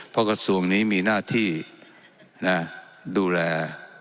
เพราะกระทรวงนี้มีหน้าที่ดูแล